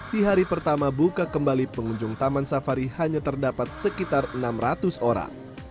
di hari pertama buka kembali pengunjung taman safari hanya terdapat sekitar enam ratus orang